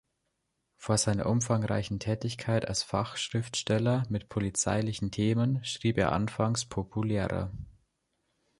Vor seiner umfangreichen Tätigkeit als Fachschriftsteller mit polizeilichen Themen schrieb er anfangs populärer.